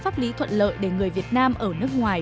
pháp lý thuận lợi để người việt nam ở nước ngoài